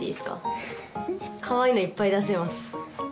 かわいいのいっぱい出せます